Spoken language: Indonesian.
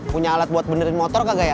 punya alat buat benerin motor kagak ya